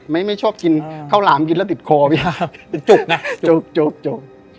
ไม่ไม่ชอบกินเข้าหลามกินแล้วติดคอพี่จุบนะจุบจุบ